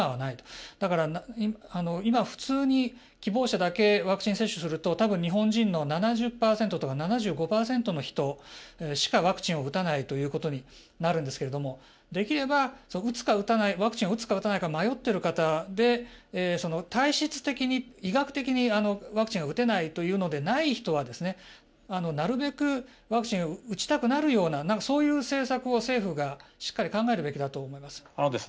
だから、今普通に希望者だけワクチン接種すると多分、日本人の７０％とか７５％の人しかワクチンを打たないということになるんですけれどもできれば、ワクチンを打つか打たないか迷ってる方で体質的に、医学的にワクチンが打てないというのでない人はですねなるべくワクチンが打ちたくなるようなそういう政策を政府がしっかり考えるべきだと思います。